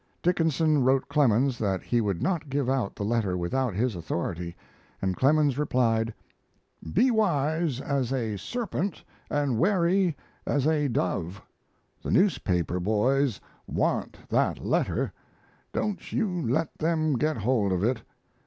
Dickinson wrote Clemens that he would not give out the letter without his authority, and Clemens replied: Be wise as a serpent and wary as a dove! The newspaper boys want that letter don't you let them get hold of it.